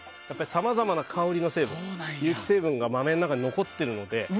さまざまな香りの成分有機成分が豆の中に残っているので。